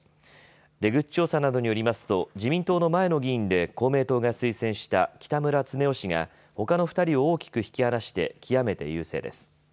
出口調査などによりますと自民党の前の議員で公明党が推薦した北村経夫氏が、ほかの２人を大きく引き離して極めて優勢です。